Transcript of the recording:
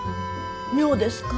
妙ですか？